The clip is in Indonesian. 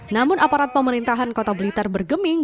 namun aparat pemerintahan kota blitar bergeming